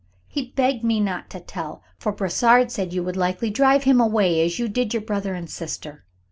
He begged me not to tell, for Brossard said you would likely drive him away, as you did your brother and sister.